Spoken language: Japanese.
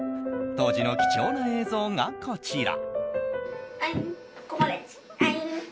当時の貴重な映像がこちら。